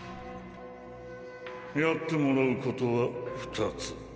やってもらうことは２つ。